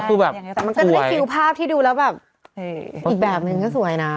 มันก็จะได้คิวภาพที่ดูแล้วอีกแบบนึงก็สวยนะ